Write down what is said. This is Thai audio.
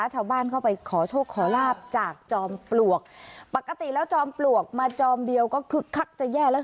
ชาวบ้านเข้าไปขอโชคขอลาบจากจอมปลวกปกติแล้วจอมปลวกมาจอมเดียวก็คึกคักจะแย่แล้ว